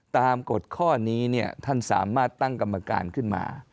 กฎข้อนี้ท่านสามารถตั้งกรรมการขึ้นมา